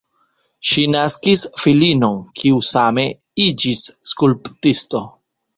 Ŝi naskis filinon, kiu same iĝis skulptisto.